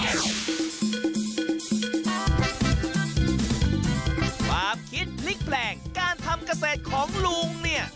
ความคิดพลิกแปลงการทำเกษตรของลุงเนี่ย